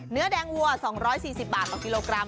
เนื้อแดงวัว๒๔๐บาทต่อกิโลกรัม